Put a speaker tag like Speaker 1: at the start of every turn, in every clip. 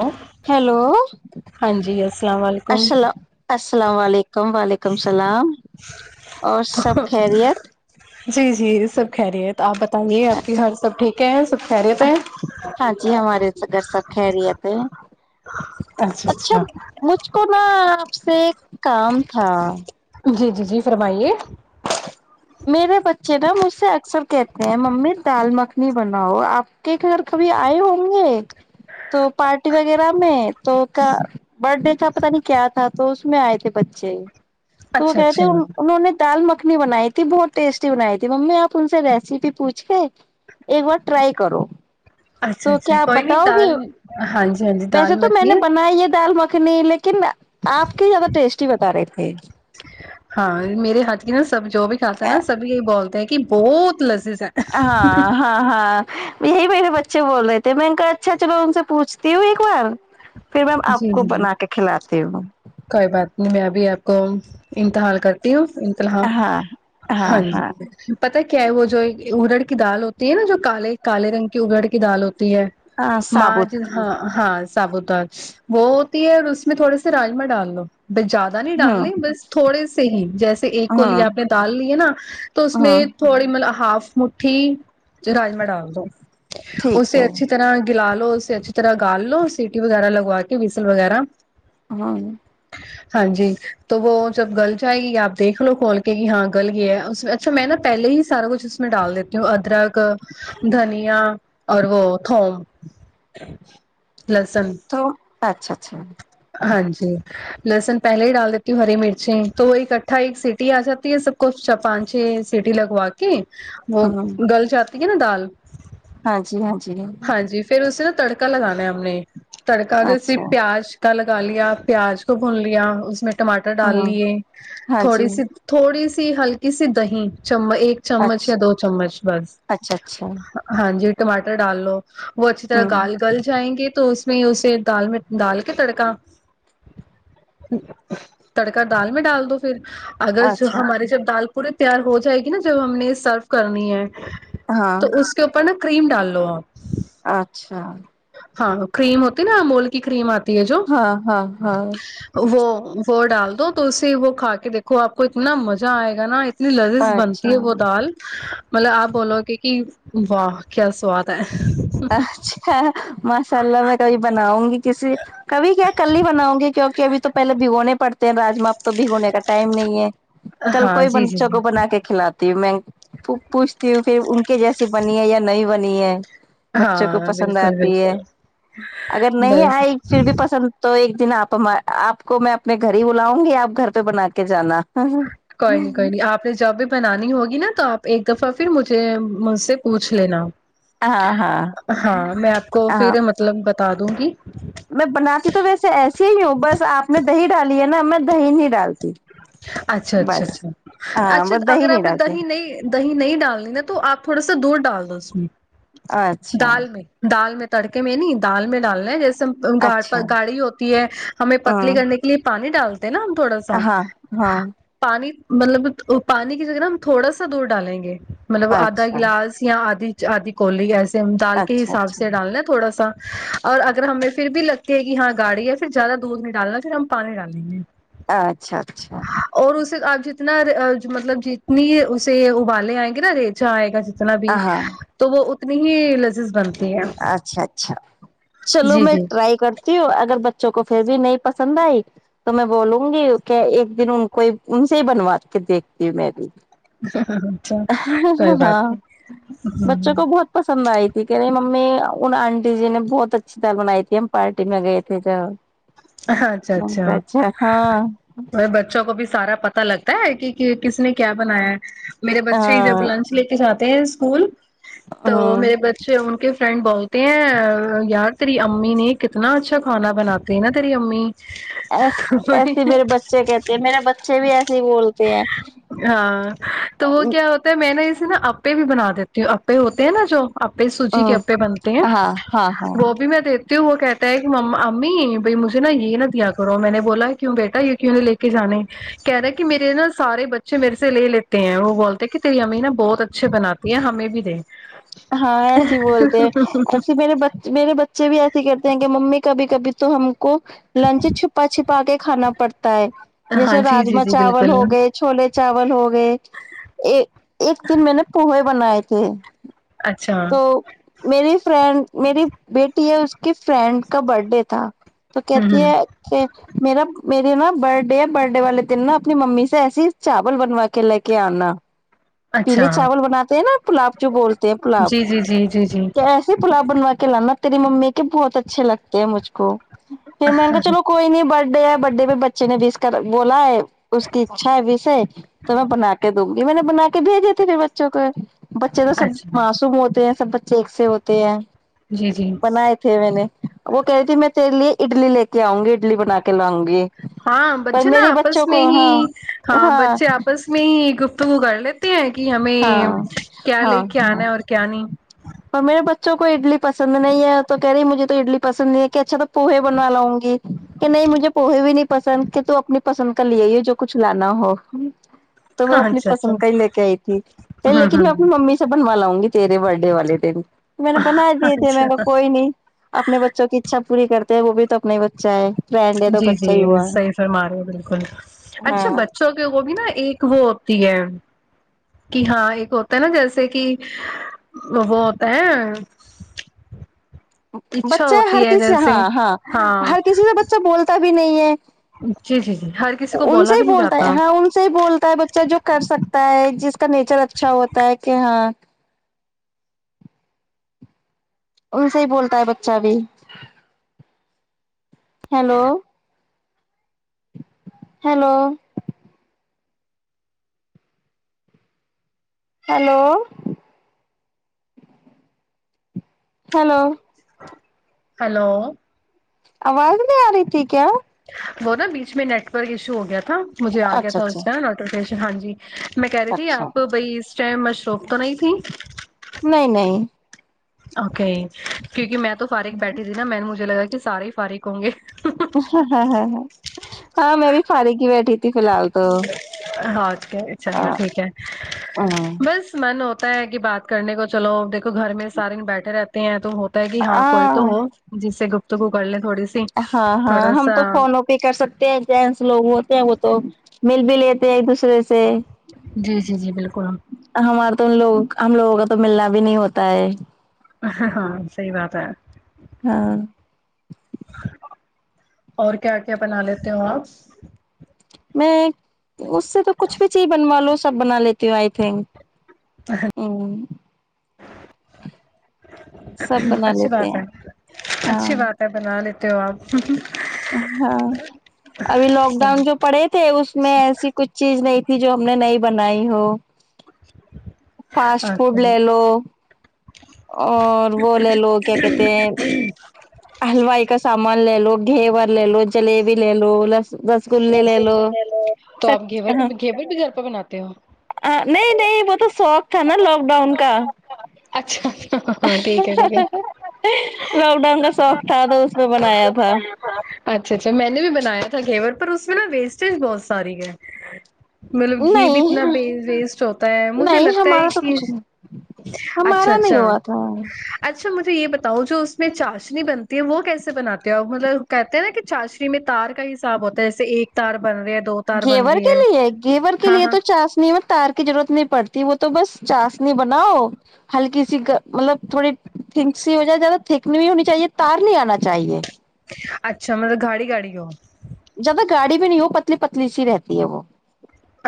Speaker 1: و
Speaker 2: ہیلو
Speaker 1: ہاں جی السلام علیکم
Speaker 2: السلام السلام علیکم وعلیکم السلام اور سب خیریت
Speaker 1: جی جی یہ سب کہہ رہی ہے تو آپ ب
Speaker 2: اچھا
Speaker 1: ہے
Speaker 2: ہاں جی ہمارے س گگر سب کہہ رہیے تھے اچھا مجھ کو نا سے کام تھا
Speaker 1: جی جی جی فرمائیے
Speaker 2: میرے بچے نا مجھ سے اکثر کہتے ہیں ممی دال مکھنی بناؤ آپ کے گھر کبھی آئے ہوں گے تو پارٹی وغیرہ میں تو کیا بر ڈے کا پتا نہیں کیا تھا تو اس میں آئے تھے بچے تو وہ
Speaker 1: اچھا
Speaker 2: کہتے
Speaker 1: اچھا
Speaker 2: ان انہوں نے دال مکھنی بنائی ت بہت ٹیسٹی بنائی تھی ممی آپ ان سے ریسیپی پوچھ کے ایک بار ٹرائی کرو
Speaker 1: اچھا
Speaker 2: تو
Speaker 1: اچھا
Speaker 2: کیا آپ
Speaker 1: کوئی نہیں
Speaker 2: بتاؤ گی
Speaker 1: دال ہاں جی ہاں جی دال مکھنی ہے
Speaker 2: نہیں لیکن آپ کے زیادہ ٹیسٹی بتا رہے تھے جی
Speaker 1: ہاں میرے ہاتھ کی نہا سب جو بھی کاتا نا سب یہی بولتے ہیں کہ بہت لذیذ ہے
Speaker 2: ہاں ہاں ہاں یہی میرے بچے بول رہے تھے میں انک اچھا چلو ان سے پوچھتی ہوں ایک بار پھر میم آپ
Speaker 1: جی
Speaker 2: کو
Speaker 1: جی جی
Speaker 2: بنا کے کھلاتی ہوں
Speaker 1: کوئی بات میں ابھی آپ کو انتحال کرتی ہوں انتلاح
Speaker 2: ہاں
Speaker 1: ہاں جی پتا کیا ہے وہ جو اگڑ کی دال ہوتی ہے نا جو کال کالے رنگ کی اگڑ کی دال ہوتی ہے
Speaker 2: ہاں
Speaker 1: مج
Speaker 2: ثابوت
Speaker 1: ہاں ہاں سابت وہ ہوتی ہے اور اس میں تھوڑے سے راجما ڈال دوو ب زیادہ نہیں
Speaker 2: ہوں
Speaker 1: ڈالنے بس تھوڑے سے ہی جیسے ایک کو ل
Speaker 2: ہوں
Speaker 1: آپ نے ڈال لیے نا تو اس میں
Speaker 2: ہوں
Speaker 1: تھوڑی مطلب ہاف مٹھی راجما ڈال دو
Speaker 2: ٹھیک ہے
Speaker 1: اسے اچھی طرح گلال لو اس سے اچھی طرح گال لو سیٹی وغیرہ لگو ا کے ویسل وغیرہ
Speaker 2: ہاں
Speaker 1: ہاں جی تو وہ جب گل جائے گی آپ دیکھ لو کھول کے کہ ہاں گل یہ ہے اس میں اچھا میں نا پہلے ہی سارا کچھ اس میں ڈال دیتی ہوں ادرک دھنیا اور وہ تھوم لہسن [unintelligible]
Speaker 2: تو اچھا اچھا
Speaker 1: ہاں جی لہسن پہلے ہی ڈال دیتی ہوں ہری مرچی تو وہ ایک کٹھا ایک سیٹی آ جاتی ہے سب کچھ پانچ چھ سیٹی لگوا کے وہ
Speaker 2: ہوں
Speaker 1: گل جاتا [unintelligible] ٹھیک نا دال
Speaker 2: ہاں جی ہاں جی
Speaker 1: ہاں جی پھر اسے نا تڑکا لگانا ہے ہم نے [unintelligible] تڑکا د س
Speaker 2: اچھا
Speaker 1: پیاز پتا لگا لیا پیاز کو بھون لیا اس میں ٹماٹر ڈال
Speaker 2: ہوں
Speaker 1: لیے
Speaker 2: ہاں جی
Speaker 1: تھوڑی سی تھوڑی سی سے حل اس دہی چم ایک چمچ یا
Speaker 2: اچھا
Speaker 1: دو چمچ بس
Speaker 2: اچھا اچھا
Speaker 1: ہاں جی [unintelligible] ٹماٹر ڈال لو وہ اچھی طرح
Speaker 2: ہوں
Speaker 1: گال گل جائیں گے تو میں اسے دال میں دال تڑکا تڑکا دال میں ڈال دو پھر اگر
Speaker 2: اچھا
Speaker 1: ہمارے
Speaker 2: اچھا
Speaker 1: جب دال پورے تیار ہو جائے گی نا جب ہم نے سرو کرنی ہے
Speaker 2: ہاں
Speaker 1: تو اس کے اوپر نا [unintelligible] کریم ڈال لو [unintelligible]
Speaker 2: اچھا
Speaker 1: ہاں کریم ہوتی نا امول کی کریم آتی ہے جو
Speaker 2: ہاں ہاں ہاں
Speaker 1: وہ وہ ڈال دو تلسی وہ کھا کے دیکھو آپ کو اتنا مزہ آئے گا نا اتنی لذیذ
Speaker 2: اچھا
Speaker 1: بنتی ہے وہ دال مطلب آپ بولو گی کہ واہ کیا سواد ہے ہ ہ [inaudible]
Speaker 2: مشاللہ میں کبھی بناؤں گی کسی کبھی کیا کل ہی بناؤں گی کیونکہ ابھی تو پہلے بھگونے پڑتے ہیں راجما اب تو بھگونے کا ٹائم نہیں ہے کل
Speaker 1: ہاں
Speaker 2: کوئی
Speaker 1: جی جی
Speaker 2: بنچ
Speaker 1: جی
Speaker 2: کو بنا کے کھلا میں پوچھتی ہوں پھر ان کے جیسی بنی ہے یا نہیں بنی ہے بچوں کو
Speaker 1: ہاں
Speaker 2: پسند
Speaker 1: بالکل
Speaker 2: آتی ہے
Speaker 1: بالکل
Speaker 2: اگر نہیں
Speaker 1: بس
Speaker 2: آئی پھر بھی پسند تو ایک دن آپ آپ کو میں اپنے گھر ہی بلاؤں گی آپ گھر پہ بنا کے جانا
Speaker 1: کوئی نہیں کوئی نہیں آپ نے جب بھی بنانی ہوگی نا تو آپ ایک دفہ پھر مجھے مجھ سے پوچھ لینا
Speaker 2: ہاں ہاں
Speaker 1: ہاں میں آپ کو
Speaker 2: ہاں
Speaker 1: پھر مطلب بتا دوں گی
Speaker 2: میں بناتی تو ویسے ایسیے ہی ہوں بس آپ نے دہی ڈالی نا میں دہی نہیں ڈالتی
Speaker 1: اچھا اچھا
Speaker 2: بس
Speaker 1: اچھا
Speaker 2: ہاں
Speaker 1: اچھا
Speaker 2: بس دہی
Speaker 1: اگر
Speaker 2: نہیں
Speaker 1: آپ نے
Speaker 2: ڈالتے
Speaker 1: دہی نہیں دہی نہیں ڈالنی نا تو آپ تھوڑا سا دودھ ڈال دو اس میں
Speaker 2: اچھا
Speaker 1: دال میں دال میں تڑکے میں نہیں دال میں ڈالنا ہے جیسے گ
Speaker 2: اچھا
Speaker 1: گاڑی ہوتی ہے ہمیں پتلی
Speaker 2: ہوں
Speaker 1: کرنے کے لیے پانی ہ [inaudible] ہنا ہم تھوڑا سا
Speaker 2: ہاں ہاں
Speaker 1: پانی مطلب پانی کی جگہ نا ہم تھوڑا سا دور ڈالیں گے مطلب آدھا
Speaker 2: اچھا
Speaker 1: گلاس یا آدھی آدی کولی ہےس دال کے
Speaker 2: اچھا
Speaker 1: حساب سے
Speaker 2: اچھا
Speaker 1: ڈالنا تھوڑا سا اور اگر ہمیں پھر بھی لگ لگے گی ہاں گاڑی ہے پھر زیادہ دودھ نہیں ڈالنا پھر ہم پانی ڈالیں گے
Speaker 2: [inaudible] اچھا اچھا
Speaker 1: اور اسے آپ جتنا مطلب جتنی اسے ابالے آئیں گے نا ریچا آئے گا ج اتنا بھی
Speaker 2: ہاں
Speaker 1: تو وہ اتنی ہی لزز بنتا
Speaker 2: اچھا اچھا چلو
Speaker 1: جی
Speaker 2: میں
Speaker 1: جی
Speaker 2: ٹرائی کر اگر بچوں کو پھر بھی نہیں پسند آئی تو میں بولوں گی کہ ایک دن ان کو ان سے ہی بنوا کے دیکھتی ہوں میں بھی
Speaker 1: اچھا کوئی
Speaker 2: ہاں
Speaker 1: بات
Speaker 2: بچوں
Speaker 1: نہیں
Speaker 2: کو بہت پسند آئی تھی کہ رہی م ان آنٹی جی نے بہت اچھی تال بنائی تھی ہم پارٹی میں گئے تھے جب
Speaker 1: اچھا
Speaker 2: میں نے کہا
Speaker 1: اچھا
Speaker 2: ہاں
Speaker 1: بچوں کو بھی سارا پتا لگتا پتا ہے کہ کس نے کیا بنایا ہے میرے بچے ہی جب
Speaker 2: ہاں
Speaker 1: لنچ لے کے جاتتے تھ اسکول تو
Speaker 2: ہاں
Speaker 1: میرے بچے ان کے فرینڈ بولتے ہیں یار تیری امی نے کتنا اچھا کھانا بناتے ہیں نا سی امی
Speaker 2: ایس ایسے میرے بچے کہتے ہیں میرے بچے بھی ایسے ہی بولتے ہیں
Speaker 1: ہاں تو وہ کیا ہوتا ہے م میں ن اسے نہا آپے بھی بنا دیتی ہوں آپے ہوتے ہیں نا جو اپے سوجی کے اپے بنتے ہیں
Speaker 2: ہاں ہاں ہاں
Speaker 1: وہ بھی میں دی تو وہ کہتا ہے کہ امی بھ مھے نا یہ نہ دیا کرو میں نے بولا کیوں بیٹا یہ کیوں لے کے جانے کہہ رہے کہ میرے نہا سارے بچے میرے سے لے لیتے ہیں وہ بولتے ہیں کہ تیری امی نا بہت اچھے بناتی ہیں ہمیں بھی دے
Speaker 2: ہاں ایسے بولتے ایسے میرے میرے بچے بھی ایسے کرتے ہیں کہ ممی کبھی کبھی تو ہم کو لنچ چھپا چھپا کے کھانا پڑتا ہو
Speaker 1: ہاں
Speaker 2: جیسے
Speaker 1: جی جی
Speaker 2: راما
Speaker 1: جی
Speaker 2: چاول
Speaker 1: بالکل
Speaker 2: ہو گئے چھوولے چ چاول ہو گئے ایک ایک دن میں نے پوہے بنائے تھے
Speaker 1: اچھا
Speaker 2: تو میری فرینڈ میری بیٹی ہے کی فرینڈ کا برتھ ڈے تھا تو
Speaker 1: ہ
Speaker 2: کہتی
Speaker 1: ہ
Speaker 2: ہے کہ میرا میرے نا بر ڈے ہے برڈے والے دن نا اپنی ممی سے ایسیے چاول بنوا کے لے کے آنا پیلے
Speaker 1: اچھا
Speaker 2: چاول بناتے ہیں نا پلاب جو بولتے ہیں پلاب
Speaker 1: جی جی جی جی جی
Speaker 2: کیسے پلاب بنوا کلانا تیری ممی کے بہت اچھے لگتے ہیں مجھ کو پ م کہا چلو کوئی نہیں بڑ ب ڈے ب ڈے میں بچے نےس کر بولا ہے اس کی اچھا ہے وس ہے تو میں بنا کے دوں گی میں نے بنا کے بھیجی تھی پھر بچوں کو بچے کا سب
Speaker 1: اچھا
Speaker 2: مسو موت ہیں سب بچے ایک سے ہوتے ہیں
Speaker 1: جی جی
Speaker 2: بنائے تھے میں نے وہ کہہ رہی تھی میں تیرے لیے اڈلی لے کے آؤں گی اڈلی بنا کے لاؤں گی
Speaker 1: ہاں
Speaker 2: پر
Speaker 1: بچے نا
Speaker 2: میرے
Speaker 1: آپس
Speaker 2: بچوں کو
Speaker 1: میں ہی
Speaker 2: ہاں
Speaker 1: ہاں بچے آپس میں ہی گف تو گڑ لیتی ہیں کہ ہمیں
Speaker 2: ہاں
Speaker 1: کیا
Speaker 2: ہاں
Speaker 1: لے کے
Speaker 2: ہاں
Speaker 1: آنا ہے اور کیا نہیں
Speaker 2: اور میرے بچوں کو اڈلی پسند نہیں ہے تو کہہ رہی مجھے تو اڈلی پسند نہیں ہے کہ اچھا تو پوہے بناواؤںی کہ نہیں مجھے پوہے بھی نہیں پسند کے تو اپنی پسند کا لے ہی جو کچھ لانا ہو تو وہ
Speaker 1: ہاں
Speaker 2: اپنی
Speaker 1: اچھا اچھا
Speaker 2: پسند کا ہی لے کے آئی ت
Speaker 1: ہوں
Speaker 2: لیکن میں
Speaker 1: ہوں
Speaker 2: اپنی ممی سے بنوا لاؤںی تیرے برڈے والے دن تو میں نے بنا دیے تھے میں
Speaker 1: اچھا
Speaker 2: کوئی نہیں اپنے بچوں کی اچھا پوری کرتے ہیں وہ بھی تو اپنا بچہ ہے فرینڈ ہے تو
Speaker 1: جی
Speaker 2: بچہ
Speaker 1: جی
Speaker 2: ہی ہوا
Speaker 1: صحیح
Speaker 2: ہے
Speaker 1: فرما رہے ہو بالکل اچھا
Speaker 2: ہاں
Speaker 1: بچوں کے وہ بھی نا ایک وہ تی ہے کہ ہاں ایک ہوتا ہے نا جیسے کہ وہ ہوتا ہے اچھا
Speaker 2: بچے ہر
Speaker 1: ہوتی ہے
Speaker 2: کسی
Speaker 1: جیسے
Speaker 2: ہاں ہاں ہر کسی سے بچہ بولتا بھی بھی نہیں ہے
Speaker 1: جی جی جی ہر کسی کو
Speaker 2: ان
Speaker 1: بولا
Speaker 2: سے
Speaker 1: بھی
Speaker 2: ہی
Speaker 1: نہیں
Speaker 2: بولتا ہے
Speaker 1: جاتا
Speaker 2: ہاں ان سے ہی بولتا ہے بچہ جو کر سکتا ہے جس کا نیچر اچھا ہوتا ہے کہ ہاں ان سے ہی بولتا ہے بچہ بھی hello hello hello hello
Speaker 1: hello
Speaker 2: آواز نہیں آ رہی تھی کیا
Speaker 1: وہ نا بیچ میں نیٹ ورک ایشو ہو گیا تھا مجھے آ گیا
Speaker 2: اچھا
Speaker 1: تھا
Speaker 2: اچھا
Speaker 1: اس ائن آٹوٹی ہاں جی میں کہہ رہی تھی
Speaker 2: اچھا
Speaker 1: آپ بائی م مشروف تو نہیں تھی
Speaker 2: نہیں نہیں
Speaker 1: اوکے کیونکہ میں تو فارک بیٹھی نا میں نےجھ مجھے لگا کہ سارے فاریک ہوں گے
Speaker 2: ہ ہ ہاں ہاں میں بھی فار ہی بیٹھی تھی فی الحال تو
Speaker 1: ہاں اک اھاء اللہ ٹھیک ہے بس من ہوتا ہوتا ہے کہ بات کرنے کو چلو دیکھو گھر میں سارے د بیٹھے رہتے ہیں تو ہوتا ہے کہ ہاں کوئی تو ہو جس سے گپت کو کر لیں تھوڑی سی
Speaker 2: ہاں ہاں
Speaker 1: تھوڑا
Speaker 2: ہم
Speaker 1: سا
Speaker 2: تو فونوں پہ کر سکتے ہیں جینس لوگ ہوتے ہیں وہ تو مل بلتے دو رے سے
Speaker 1: جی جی جی بالکل
Speaker 2: ہمارا تو ان لوگ ہم لوگوں کا تو ملنا بھی نہیں ہوتا ہے
Speaker 1: ہاں صحی بات ہے
Speaker 2: ہاں
Speaker 1: اور کیا کیا بنا لیتے ہو آپ
Speaker 2: میں اس سے تو کچھ بھی چیز بنوا لو سب بنا لیتی ہوں آئی تھنک ہوں سب بنا
Speaker 1: اچھی
Speaker 2: لیتے
Speaker 1: بات
Speaker 2: ہیں
Speaker 1: ہے
Speaker 2: ہاں
Speaker 1: اچھی بات ہے بنا لی تو
Speaker 2: ہاں ابھی لاک ڈاؤن جو پڑے تھے اس میں
Speaker 1: اچھا
Speaker 2: ایسی کچھ چیز نہیں تھی جو ہم نے نہیں بنائی تو فاسٹ فوڈ
Speaker 1: اوکے،
Speaker 2: لے لو اور بولے لو کیا کہتے ہیں ہلوائی کا سامان لے لو گھی بر لے لو جلیبی لے لو ل رس گے لے لو
Speaker 1: تو آپ
Speaker 2: سباں
Speaker 1: گھیور گھیور بھی گھر پہ بناتے ہو
Speaker 2: نہیں نہیں وہ تو سوق تھا نا لاک ڈاؤن کا
Speaker 1: اچ ہاں ٹھیک ہے ٹھیک ہے
Speaker 2: لاک ڈاؤن کا شوق تھا تو اس میں بنایا تھا
Speaker 1: اچھا اچھا میں نے بھی بنایا تھا گ پر اس میں نا ویسٹیج بہت ساری ہے مطلب گھی بھی اتنا ویسٹ ہوتا ہے مجھے لگتا ہے
Speaker 2: مارا تو
Speaker 1: کہ
Speaker 2: کچھ نہیں ہ
Speaker 1: اچھا
Speaker 2: مارا نہیں
Speaker 1: اچھا
Speaker 2: ہوا تھا
Speaker 1: اچھا مجھے یہ بتاؤ جو اس میں چاشنی بنتی ہے وہ کیسے بناتے ہیں اور مطلب کہتے ہیں نا کہ چاشنی میں تار کا حساب ہوتا ہے جیسے ایک تار بن رہی ہے دو تار بن
Speaker 2: گیور
Speaker 1: رہی
Speaker 2: کے
Speaker 1: ہے
Speaker 2: لیے گیور کے
Speaker 1: ہاں
Speaker 2: لیے
Speaker 1: ہاں
Speaker 2: تو چاس نہیں ہو تار کی ضرورت نہیں پڑتی وہ تو تو بس چاسنی بناؤ ہلکی سی مطلب تھوڑی تھک سی وجہ زیادہ تھک نہیں ہونی چاہیے تار نہیں آنا چاہیے
Speaker 1: اچھا مطلب گاڑی گاڑی ہو
Speaker 2: زیادہ گاڑی بھی نہیں ہو پتلی پتلی سی رہتی ہے وہ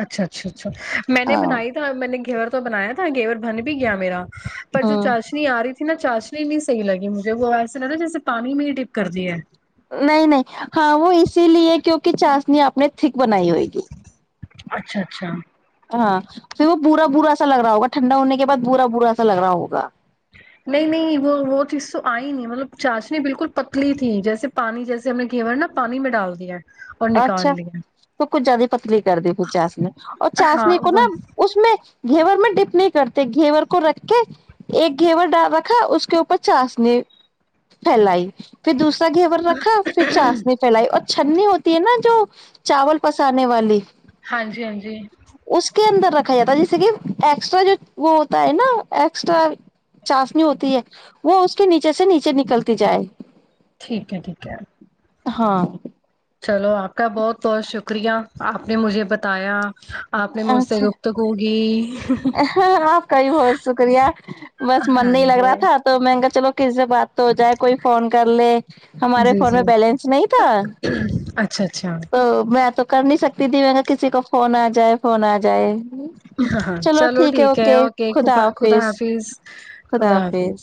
Speaker 1: اچھا اچھا اچھا میں نے
Speaker 2: ہاں
Speaker 1: بنائی تھا میں نے گیور تو بنایا تھا گیور بن بھی گیا میرا پر جو
Speaker 2: ہوں
Speaker 1: چاشنی آ رہی تھی نا چاشنی نہیں صی لگی مجھے وہ ایسے نہیں تھا جیسے پانی میں ہی ٹپ کر دی ہے
Speaker 2: نہیں نہیں ہاں وہ اسی لیے کیکہ کہ چاس نہیں اپنے ٹھیک بنائی ہوئے گی
Speaker 1: اچھا اچھا
Speaker 2: ہاں پھر وہ برا برا ایسا لگ رہا ہوگا ٹھنڈا ہونے کے بعد برا برا ایسا لگ رہا ہوگا
Speaker 1: نہیں نہیں وہ وہ چیز تو آئی نہیں مطلب چاشنی بالکل پتلی تھی جیسے پانی جیسے ہم نے گور ہے نا پانی میں ڈال دیا ہے
Speaker 2: اچھا تو کچھ زیادہ پتلی کر دی پ چاسنی اور
Speaker 1: ہاں
Speaker 2: چاسنی کو
Speaker 1: وہ
Speaker 2: نا اس میں گھیور میں ڈپ نہیں کرتے گھیور کو رکھ کے ایک گھیور ڈال رکھا اس کے اوپر چاسنی پھیلائی پھر دوسرا گھیور رکھا پھر چاس نے پھیلائی اور [inaudible] ت نا جو چاول پسانے والی
Speaker 1: ہاں جی ہاں جی
Speaker 2: اس کے اندر رکھا جاتا ہے جیسے کہ ایکسٹرا جو وہ ہوتا ہے نا ایکسٹرا چاشنی ہوتی ہے وہ اس کے نیچے سے نیچے نکلتی جائے
Speaker 1: ٹھیک ہے ٹھیک ہے
Speaker 2: ہاں
Speaker 1: چلو آپ کا بہت بہت شکریہ آپ نے مجھے بتایا آپ نے مجھ سے
Speaker 2: اچھا
Speaker 1: گفتگوگی
Speaker 2: آپ کا ہی بہت شکریہ بس من
Speaker 1: ہاں
Speaker 2: نہیں لگ رہا
Speaker 1: جی
Speaker 2: تھا تو میں کہا چلو کس سے بات تو ہو جائے کوئی فون کر لے ہمارے
Speaker 1: جی
Speaker 2: فون میں
Speaker 1: جی
Speaker 2: بیلنس نہیں تھا
Speaker 1: اچھا اچھا
Speaker 2: تو میں تو کر نہیں سکتی تھی میں کہ کسی کو فون آ جائے فون آ جائے
Speaker 1: ہاں چلو ٹھیک ہے اوکے خ خدا حافظ خدا حافظ